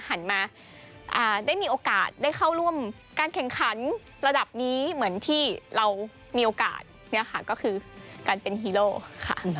หันมาได้มีโอกาสได้เข้าร่วมการแข่งขันระดับนี้เหมือนที่เรามีโอกาสเนี่ยค่ะก็คือการเป็นฮีโร่ค่ะ